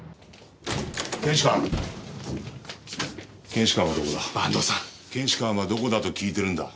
検視官はどこだと聞いてるんだ。